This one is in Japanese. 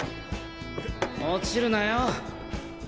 落ちるなよ！